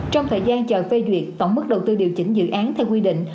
trong thời gian chờ phê duyệt tổng mức đầu tư điều chỉnh dự án theo quy định